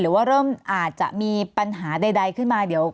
หรือว่าเริ่มอาจจะมีปัญหาใดขึ้นมาเดี๋ยว